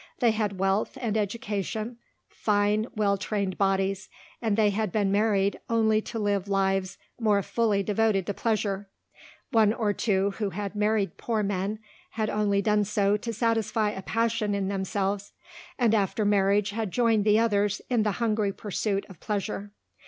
They had wealth and education, fine well trained bodies, and they had been married only to live lives more fully devoted to pleasure. One or two who had married poor men had only done so to satisfy a passion in themselves, and after marriage had joined the others in the hungry pursuit of pleasure.